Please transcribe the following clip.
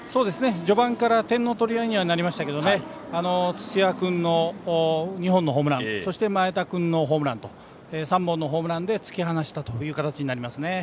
序盤から点の取り合いになりましたけど土屋君の２本のホームランそして前田君のホームランと３本のホームランで突き放したという形になりますね。